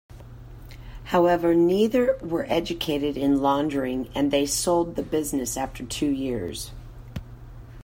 However, neither were educated in laundering, and they sold the business after two years.